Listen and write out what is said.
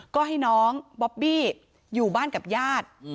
ก็ให้น้องบอบบี้อยู่บ้านกับญาติ